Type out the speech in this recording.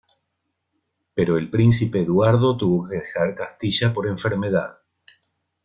Pero el príncipe Eduardo tuvo que dejar Castilla por enfermedad.